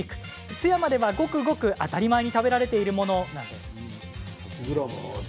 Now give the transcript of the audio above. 津山では、ごくごく当たり前に食べられているものなんです。